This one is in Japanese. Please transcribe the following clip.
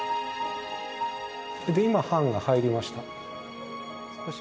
で今版が入りました。